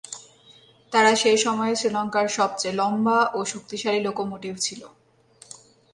তারা সে সময়ে শ্রীলঙ্কার সবচেয়ে লম্বা ও শক্তিশালী লোকোমোটিভ ছিল।